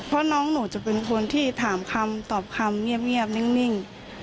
เพราะน้องหนูจะเป็นคนที่ถามคำตอบคำเงียบนิ่ง